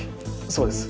そうです